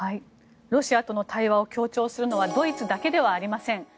ロシアとの対話を強調するのはドイツだけではありません。